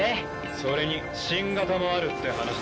それに新型もあるって話だ。